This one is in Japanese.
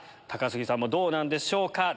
高杉さんもどうなんでしょうか。